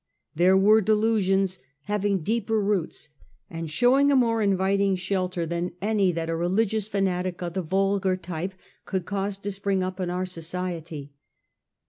There were delusions having deeper roots and showing a more inviting shelter than any 1837. THE CHARTIST PETITION. 103 that a religious fanatic of the vulgar type could cause to spring up in our society.